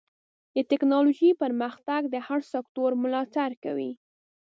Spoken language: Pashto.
د ټکنالوجۍ پرمختګ د هر سکتور ملاتړ کوي.